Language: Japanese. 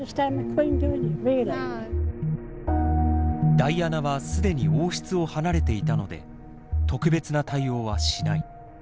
ダイアナは既に王室を離れていたので特別な対応はしない。